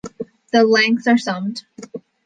The lengths are summed.